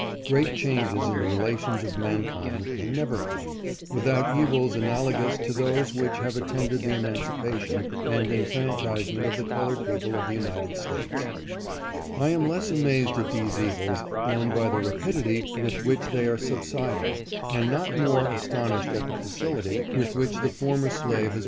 Great changes in the relations of mankind can never come, without evils analogous to those which have attended the emancipation and enfranchisement of the colored people of the United States. I am less amazed at these evils, than by the rapidity with which they are subsiding, and not more astonished at the facility with which the former slave has 466 INTERVIEW WITH PRESIDENT JOHNSON.